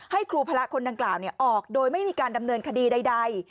ให้ครูพระคนดังกล่าวออกโดยไม่มีการดำเนินคดีใด